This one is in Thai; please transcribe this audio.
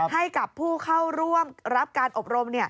ให้กับผู้เข้าร่วมรับการอบรม